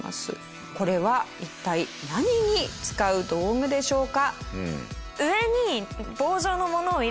これは一体何に使う道具でしょうか？